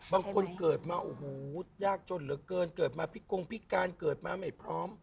เกิดมาโอ้โหยากจนเหลือเกินเกิดมาพิกงพิการเกิดมาไม่พร้อม